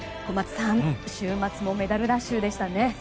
小松さん、週末もメダルラッシュでしたね。